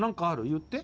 言って。